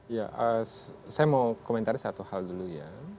ya saya mau komentari satu hal dulu ya